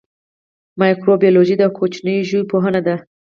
مایکروبیولوژي د کوچنیو ژویو پوهنه ده